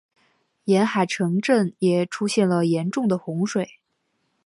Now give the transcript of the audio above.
沿海城镇也出现了严重的洪水。